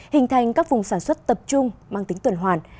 hình thành các vùng sản xuất tập trung mang tính tuần hoàn